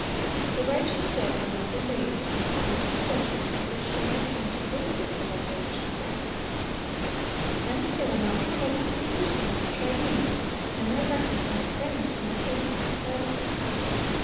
(852) The righteous dead will not be raised until after the judgment at which they are accounted worthy of "the resurrection of life." Hence they will not be present in person at the tribunal when their records are examined and their cases decided.